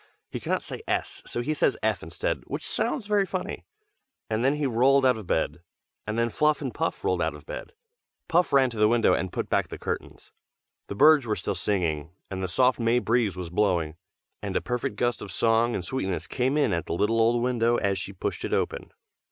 (he cannot say S, so he says F instead, which sounds very funny). And then he rolled out of bed; and then Fluff and Puff rolled out of bed. Puff ran to the window and put back the curtains. The birds were still singing, and the soft May breeze was blowing, and a perfect gust of song and sweetness came in at the little old window as she pushed it open.